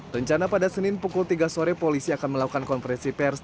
rencana pada senin pukul tiga sore polisi akan melakukan konferensi pers